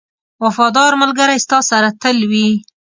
• وفادار ملګری ستا سره تل وي.